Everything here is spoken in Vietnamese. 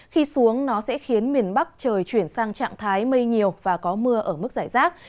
khi xuống nó sẽ khiến miền bắc trời chuyển sang trạng thái mây nhiều và có mưa ở mức giải rác